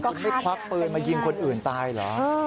คุณไม่ควักปืนมายิงคนอื่นตายเหรอ